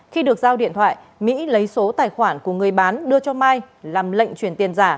khi được giao điện thoại mỹ lấy số tài khoản của người bán đưa cho mai làm lệnh chuyển tiền giả